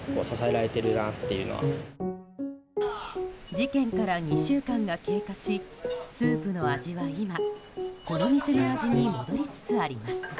事件から２週間が経過しスープの味は今この店の味に戻りつつあります。